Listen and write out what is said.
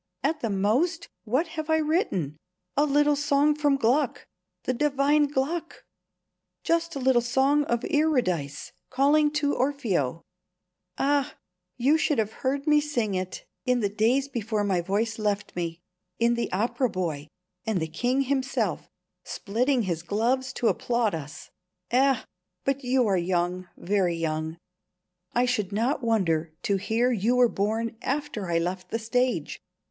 "At the most, what have I written? a little song from Gluck, the divine Gluck! Just a little song of Eurydice calling to Orfeo. Ah! you should have heard me sing it in the days before my voice left me; in the opera, boy, and the King himself splitting his gloves to applaud us! Eh, but you are young, very young. I should not wonder to hear you were born after I left the stage.